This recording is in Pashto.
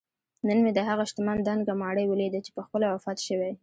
نن مې دهغه شتمن دنګه ماڼۍ ولیده چې پخپله وفات شوی